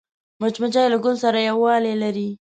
مچمچۍ له ګل سره یووالی لري